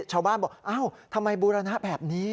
ชาวบ้านบอกอ้าวทำไมบูรณะแบบนี้